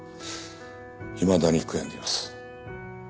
いまだに悔やんでいます。